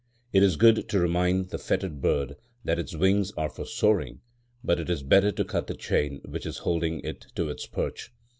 It is good to remind the fettered bird that its wings are for soaring; but it is better to cut the chain which is holding it to its perch.